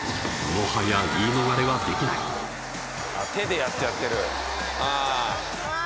もはや言い逃れはできない手でやっちゃってるああー